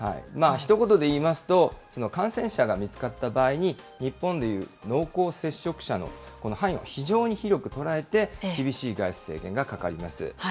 ひと言でいいますと、感染者が見つかった場合に、日本で言う濃厚接触者の範囲を非常に広く捉えて、厳しい外出制限がかかります。